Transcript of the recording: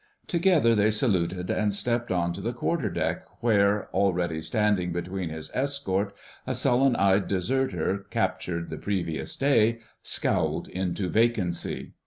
Together they saluted and stepped on to the quarter deck, where, already standing between his escort, a sullen eyed deserter, captured the previous day, scowled into vacancy.